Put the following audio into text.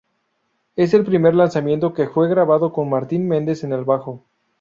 Es el primer lanzamiento que fue grabado con Martin Mendez en el bajo.